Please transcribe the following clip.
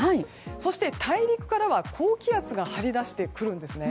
そして、大陸からは高気圧が張り出してくるんですね。